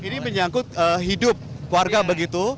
ini menyangkut hidup warga begitu